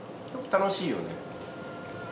楽しいよね。